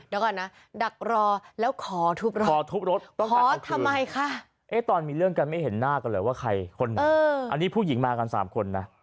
เดี๋ยวก่อนนะดักรอแล้วขอทุบรถขอทำไมค่ะตอนมีเรื่องกันไม่เห็นหน้ากันเลยว่าใครคนนี้ผู้หญิงมากัน๓คนน่ะ